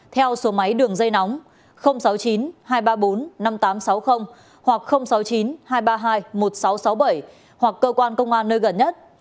theo số máy đường dây nóng sáu mươi chín hai trăm ba mươi bốn năm nghìn tám trăm sáu mươi hoặc sáu mươi chín hai trăm ba mươi hai một nghìn sáu trăm sáu mươi bảy hoặc cơ quan công an nơi gần nhất